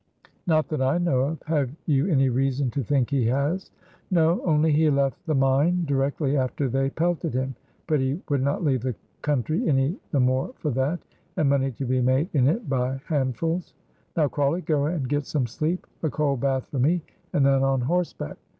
"Not that I know of; have you any reason to think he has?" "No, only he left the mine directly after they pelted him; but he would not leave the country any the more for that, and money to be made in it by handfuls." "Now, Crawley, go and get some sleep. A cold bath for me and then on horseback.